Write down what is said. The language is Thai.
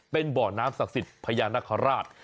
เป็นบ่อน้ำศักดิ์ภัยนครราช